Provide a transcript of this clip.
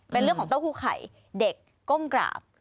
เป็นเรื่องของเต้าหู้ไข่เด็กก้มกราบ